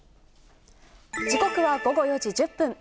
時刻は午後４時１０分。